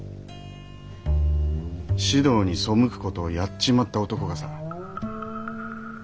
士道に背く事をやっちまった男がさ。